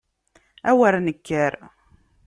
A wer nekker!